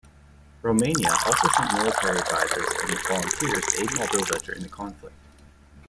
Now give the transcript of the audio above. Romania also sent military advisors and volunteers to aid Moldova during the conflict.